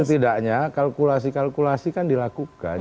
setidaknya kalkulasi kalkulasi kan dilakukan